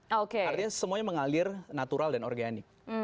artinya semuanya mengalir natural dan organik